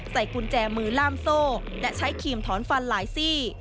กุญแจมือล่ามโซ่และใช้ครีมถอนฟันหลายซี่